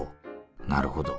なるほど。